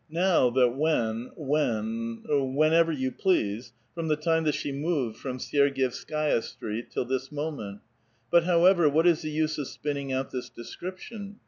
Now that when — when — whenever you please ; from the time that she moved from Syergievskaia Street till this moment. But however, what is the use of spinning out this description?